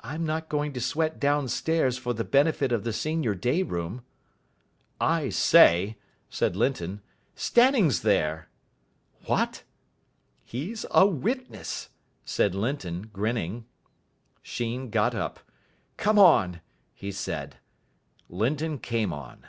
"I'm not going to sweat downstairs for the benefit of the senior day room." "I say," said Linton, "Stanning's there." "What!" "He's a witness," said Linton, grinning. Sheen got up. "Come on," he said. Linton came on.